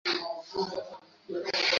Mjumbe mpya anatoa wito wa kurekebisha kikosi